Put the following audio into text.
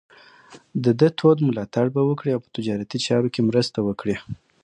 د ده تود ملاتړ به وکړي او په تجارتي چارو کې مرسته وکړي.